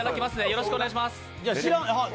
よろしくお願いします。